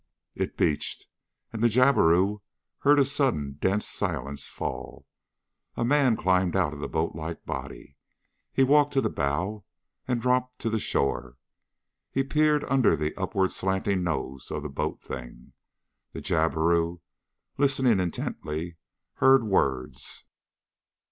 It beached, and the jabiru heard a sudden dense silence fall. A man climbed out of the boatlike body. He walked to the bow and dropped to the shore. He peered under the upward slanting nose of the boat thing. The jabiru, listening intently, heard words.